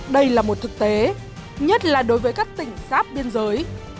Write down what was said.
đây là một thực tế nhất là đối với các tỉnh sát biên giới